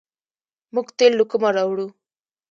موږ تیل له کومه راوړو؟